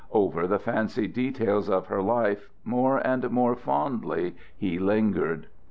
Over the fancied details of her life more and more fondly he lingered.